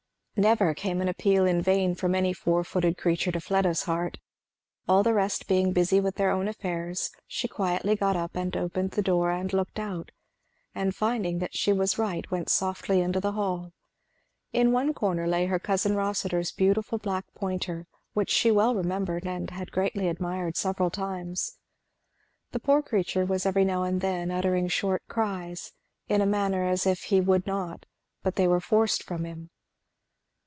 Never came an appeal in vain from any four footed creature to Fleda's heart. All the rest being busy with their own affairs, she quietly got up and opened the door and looked out, and finding that she was right went softly into the hall. In one corner lay her cousin Rossitur's beautiful black pointer, which she well remembered and had greatly admired several times. The poor creature was every now and then uttering short cries, in a manner as if he would not, but they were forced from him.